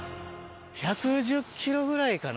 １１０キロぐらいかな。